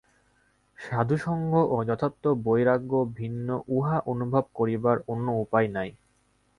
সাধুসঙ্গ ও যথার্থ বৈরাগ্য ভিন্ন উহা অনুভব করিবার অন্য উপায় নাই।